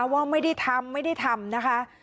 ว่าไม่ได้ทำนะคะ